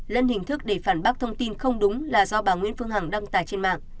lân hình thức để phản bác thông tin không đúng là do bà nguyễn phương hằng đăng tải trên mạng